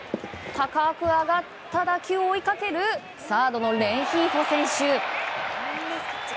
高く上がった打球を追いかけるサードのレンヒーフォ選手。